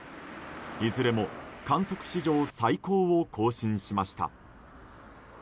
いずれも観測史上最高を更新しました。